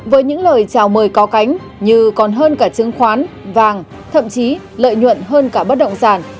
với những lời chào mời có cánh như còn hơn cả chứng khoán vàng thậm chí lợi nhuận hơn cả bất động sản